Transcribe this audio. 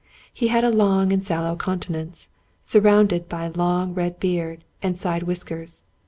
He had a long and sallow countenance, surrounded by a long red beard and side whiskers.